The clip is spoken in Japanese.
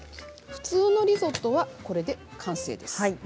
普通のリゾットはこれで完成です。